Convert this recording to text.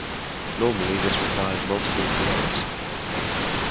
Normally, this requires multiple blows.